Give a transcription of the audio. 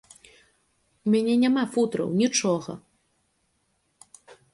У мяне няма футраў, нічога.